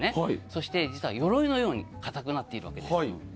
そして、実は鎧のように硬くなっているわけです。